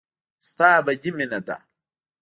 ستا ابدي مينه ده.